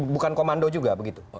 bukan komando juga begitu